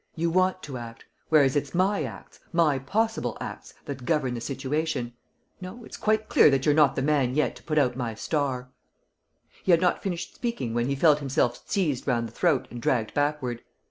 You want to act, whereas it's my acts, my possible acts that govern the situation. No, it's quite clear that you're not the man yet to put out my star!" He had not finished speaking when he felt himself seized round the throat and dragged backward.